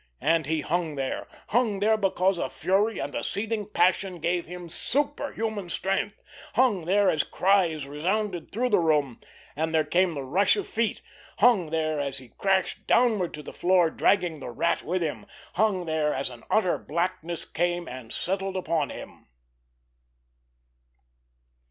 And he hung there, hung there because a fury and a seething passion gave him superhuman strength—hung there as cries resounded through the room, and there came the rush of feet—hung there as he crashed downward to the floor dragging the Rat with him—hung there as an utter blackness came and settled upon him.